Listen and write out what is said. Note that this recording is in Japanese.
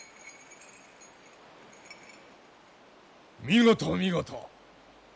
見事見事！